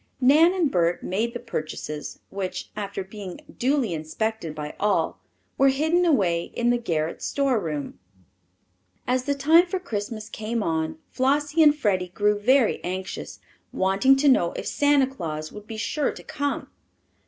Nan and Bert made the purchases which, after being duly inspected by all, were hidden away in the garret storeroom. As the time for Christmas came on Flossie and Freddie grew very anxious, wanting to know if Santa Claus would be sure to come.